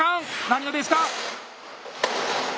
何がですか？